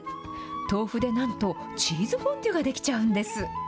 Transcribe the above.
豆腐でなんと、チーズフォンデュができちゃうんです。